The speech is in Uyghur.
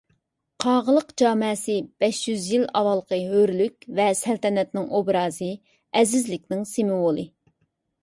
قاغىلىق جامەسى بەش يۈز يىل ئاۋۋالقى ھۆرلۈك ۋە سەلتەنەتنىڭ ئوبرازى، ئەزىزلىكنىڭ سىمۋولى.